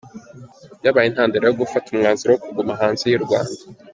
byabaye intandaro yo gufata umwanzuro wo kuguma hanze yu Rwanda.